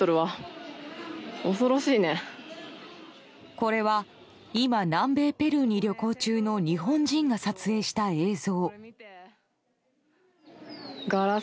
これは今、南米ペルーに旅行中の日本人が撮影した映像。